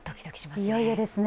いよいよですね。